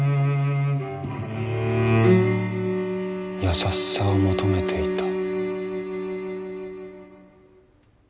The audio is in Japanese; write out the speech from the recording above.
優しさを求めていた。